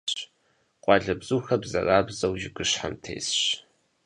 Къуалэбзухэр бзэрабзэу жыгыщхьэм тесщ.